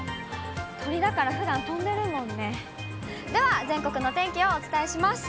鳥だからふだん飛んでるもんね、では全国のお天気をお伝えします。